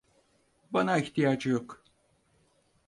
Bana ihtiyacı yok.